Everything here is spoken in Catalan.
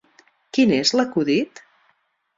Quin és l'acudit?